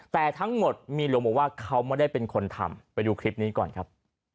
แต่ทั้งหมดมีหลวงบอกว่าเขาไม่ได้เป็นคนทำไปดูคลิปนี้ก่อนครับ